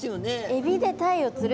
「海老で鯛を釣る」。